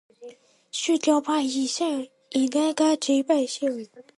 跨境电商零售出口和企业对企业出口清单